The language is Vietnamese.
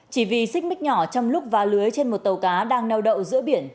chỉ vì xích mít nhỏ trong lúc vá lưới trên một tàu cá đang neo đậu giữa biển